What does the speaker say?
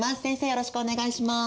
よろしくお願いします！